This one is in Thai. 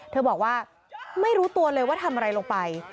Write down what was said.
บอกว่าไม่รู้ตัวเลยว่าทำอะไรลงไป